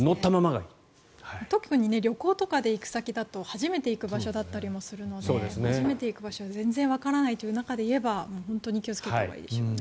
特に旅行とかで行く先だと初めて行く場所だったりもするので初めて行く場所は全然わからないという中でいえば本当に気をつけたほうがいいでしょうね。